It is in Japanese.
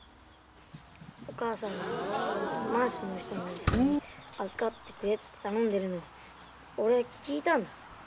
お母さんが満州の人のおじさんに預かってくれって頼んでるのを俺聞いたんだ。